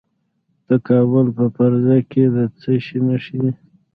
د کابل په فرزه کې د څه شي نښې دي؟